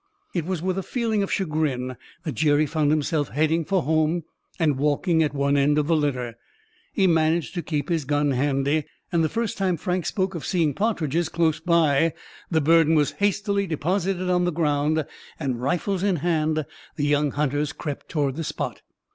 It was with a feeling of chagrin that Jerry found himself heading for home and walking at one end of the litter. He managed to keep his gun handy, and the first time Frank spoke of seeing partridges close by the burden was hastily deposited on the ground, and, rifles in hand, the young hunters crept toward the spot.